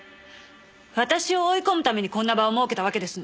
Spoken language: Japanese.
私を追い込むためにこんな場を設けたわけですね。